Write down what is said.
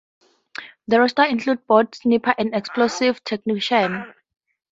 The roster includes both snipers and explosives technicians.